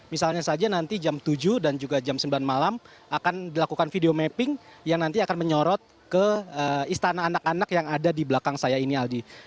misalnya saja nanti jam tujuh dan juga jam sembilan malam akan dilakukan video mapping yang nanti akan menyorot ke istana anak anak yang ada di belakang saya ini aldi